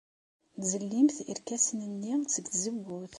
Tzellimt irkasen-nni seg tzewwut.